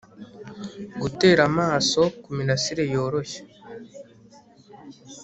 gutera amaso kumirasire yoroshye